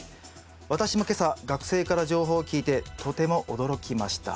「私も今朝学生から情報を聞いてとても驚きました。